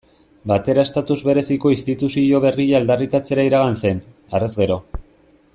Batera estatus bereziko instituzio berria aldarrikatzera iragan zen, harrez gero.